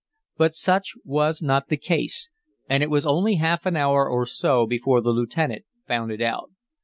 But such was not the case, and it was only half an hour or so before the lieutenant found it out.